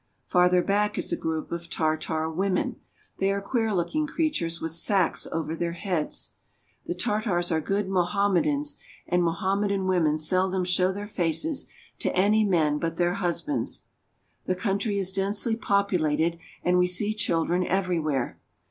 Farther back is a group of Tartar women. They are queer looking creatures with sacques over their heads. The Tartars are good Mo hammedans, and Moham medan women seldom show their faces to any men but their husbands. The country is densely populated, and we see children everywhere.